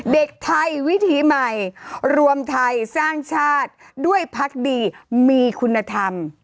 เด็กไทยวิถีใหม่รวมไทยสร้างชาติด้วยพักดีมีคุณธรรม